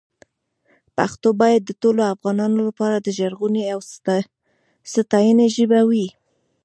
پښتو باید د ټولو افغانانو لپاره د ژغورنې او ساتنې ژبه وي.